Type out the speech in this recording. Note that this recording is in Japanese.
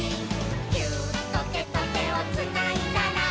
「ギューッとてとてをつないだら」